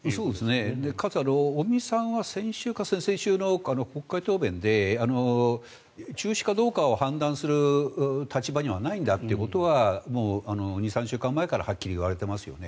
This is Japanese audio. かつ、尾身さんは先週か先々週の国会答弁で中止かどうかを判断する立場にはないんだということはもう２３週間前からはっきり言われていますよね。